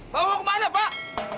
mau kemana pak